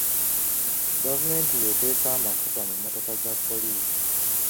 Gavumenti y'eteeka amafuta mu mmotoka za poliisi.